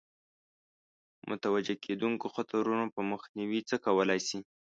متوجه کېدونکو خطرونو په مخنیوي څه کولای شي.